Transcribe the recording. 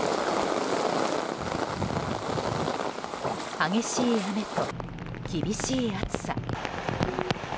激しい雨と厳しい暑さ。